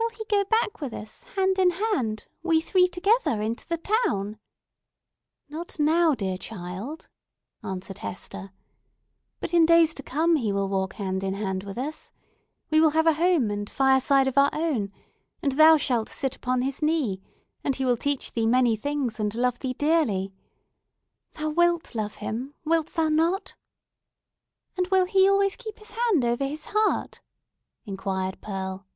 "Will he go back with us, hand in hand, we three together, into the town?" "Not now, my child," answered Hester. "But in days to come he will walk hand in hand with us. We will have a home and fireside of our own; and thou shalt sit upon his knee; and he will teach thee many things, and love thee dearly. Thou wilt love him—wilt thou not?" "And will he always keep his hand over his heart?" inquired Pearl.